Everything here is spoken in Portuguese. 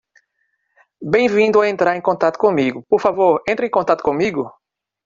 Bem-vindo a entrar em contato comigo, por favor entre em contato comigo.